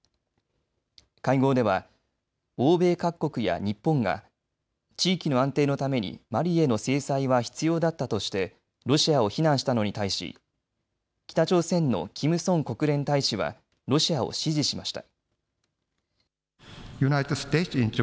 会合では欧米各国や日本が地域の安定のためにマリへの制裁は必要だったとしてロシアを非難したのに対し、北朝鮮のキム・ソン国連大使はロシアを支持しました。